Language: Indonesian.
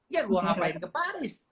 ya gue ngapain ke paris